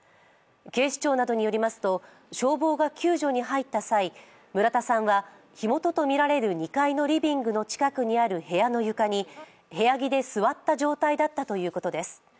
警視庁などによりますと消防が救助に入った際、村田さんは、火元とみられる２階のリビングの近くにある部屋の床に部屋着で座った状態だったということです。